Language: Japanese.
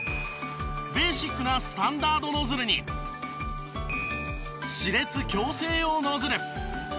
ベーシックなスタンダードノズルに歯列矯正用ノズル。